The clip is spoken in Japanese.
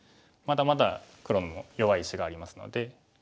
まだまだ黒も弱い石がありますので。